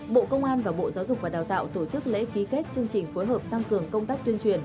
bộ công an và bộ giáo dục và đào tạo tổ chức lễ ký kết chương trình phối hợp tăng cường công tác tuyên truyền